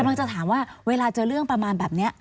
กำลังจะถามว่าเวลาเจอเรื่องประมาณแบบนี้